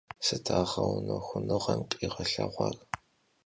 Sıt a ğeunexunığem khiğelheğuar?